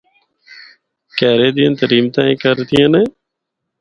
کہرے دیاں تریمتاں اے کردیاں نے۔